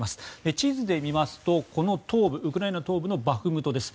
地図で見ますとウクライナ東部のバフムトです。